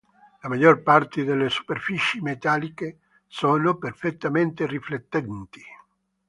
La maggior parte delle superfici metalliche sono perfettamente riflettenti.